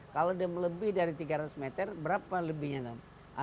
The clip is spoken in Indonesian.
kalau dia melebih dari tiga ratus meter berapa lebihnya